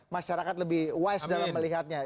masyarakat lebih wise dalam melihatnya